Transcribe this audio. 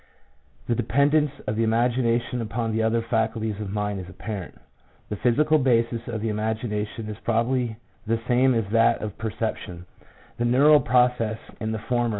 The dependence of the imagination upon the other faculties of mind is apparent. The physical basis of the imagination is probably the same as that of per ception; the neural process in the former is only a 1 I.